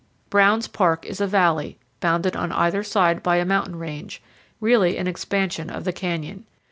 Brown's Park is a valley, bounded on either side by a mountain range, really an expansion of the canyon.